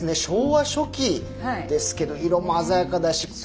昭和初期ですけど色も鮮やかだし。